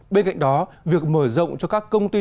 bên cạnh đó việc mở rộng cho các công ty tài năng